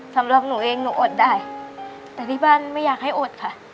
สำหรับหนูเองหนูอดได้แต่ที่บ้านไม่อยากให้อดค่ะ